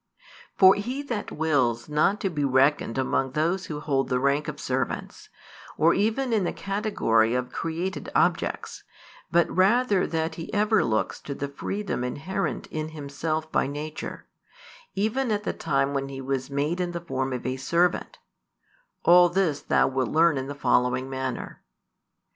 For that He wills not to be reckoned among those who hold the rank of servants, or even in the category of created objects, but rather that He ever looks to the freedom inherent in Himself by nature, even at the time when He was made in the form of a servant all this thou wilt learn in the following manner.